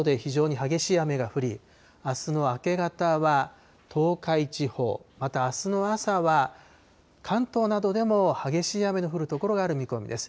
また夜遅くからあすの未明にかけては近畿などで非常に激しい雨が降り、あすの明け方は東海地方、また、あすの朝は関東などでも激しい雨の降る所がある見込みです。